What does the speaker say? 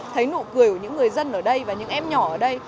thấy nụ cười của những người dân ở đây và những em nhỏ ở đây